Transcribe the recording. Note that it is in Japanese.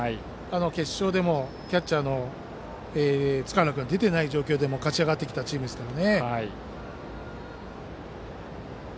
決勝でもキャッチャーの塚原君が出ていない状況でも勝ち上がってきたチームですから。